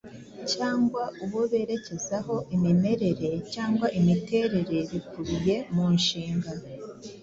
cyangwa uwo berekezaho imimerere cyangwa imiterere bikubiye mu nshinga.